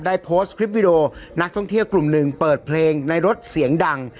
โพสต์คลิปวิดีโอนักท่องเที่ยวกลุ่มหนึ่งเปิดเพลงในรถเสียงดัง